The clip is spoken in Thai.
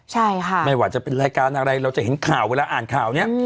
ใช่ค่ะไม่ว่าจะเป็นรายการอะไรเราจะเห็นข่าวเวลาอ่านข่าวเนี้ย